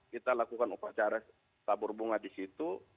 kita lakukan upacara tabur bunga di situ